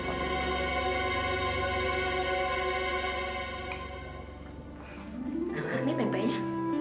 tahan ya tempenya